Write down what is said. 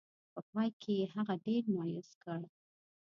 په پای کې یې هغه ډېر مایوس کړ.